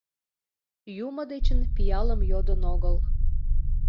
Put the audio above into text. Юмо дечын пиалым йодын огыл.